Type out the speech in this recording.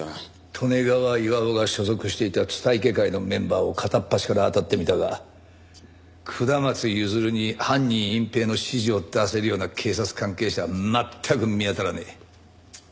利根川巌が所属していた蔦池会のメンバーを片っ端からあたってみたが下松譲に犯人隠蔽の指示を出せるような警察関係者は全く見当たらねえ。